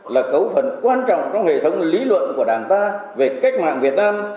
là cấu phần quan trọng trong hệ thống lý luận của đảng ta về cách mạng việt nam